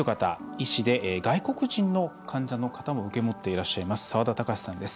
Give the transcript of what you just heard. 医師で外国人の患者の方も受け持っていらっしゃいます沢田貴志さんです。